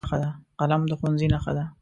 قلم د ښوونځي نښه ده